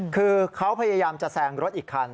คือเขาพยายามจะแซงรถอีกคัน